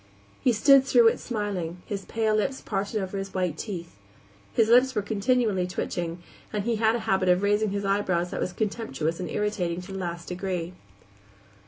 He stood through it smiling, his pale lips parted over his white teeth. (His lips were continually twitching, and he had a habit of raising his eyebrows that was contemptuous and irritating to the last degree.)